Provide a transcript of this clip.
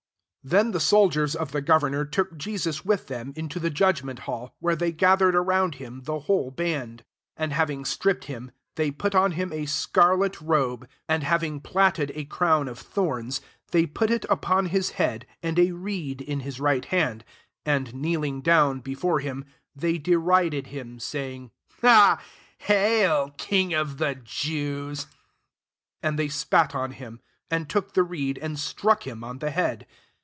27 Then the soldiers of the governor took Jesus with them into the judgment hall, where they gathered around him the whole band. 28 And having stripped him, they put on him a scarlet robe. 29 and having platted a crown of thorns, they put it upon his head, and a reed in his rig^t hand : and kneeling down, before him, they derided him, saying/^Hail, King of the Jews." 30 And they spat on him ; and took die reed, and struck him on the head.